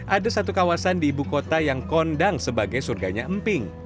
ada satu kawasan di ibu kota yang kondang sebagai surganya emping